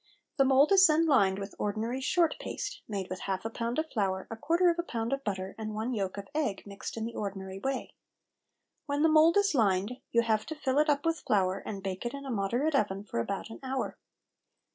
The mould is then lined with ordinary short paste, made with half a pound of flour, a quarter of a pound of butter, and one yolk of egg, mixed in the ordinary way. When the mould is lined, you have to fill it up with flour, and bake it in a moderate oven for about an hour.